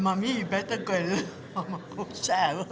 saya tidak ingin mengajar kamu